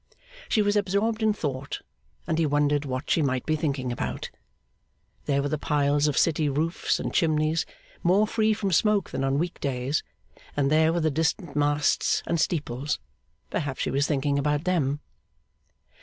She was absorbed in thought, and he wondered what she might be thinking about. There were the piles of city roofs and chimneys, more free from smoke than on week days; and there were the distant masts and steeples. Perhaps she was thinking about them.